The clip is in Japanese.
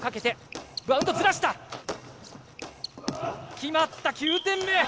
決まった、９点目！